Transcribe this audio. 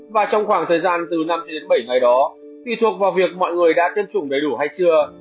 và trong khoảng thời gian từ năm đến bảy ngày đó tùy thuộc vào việc mọi người đã tiêm chủng đầy đủ hay chưa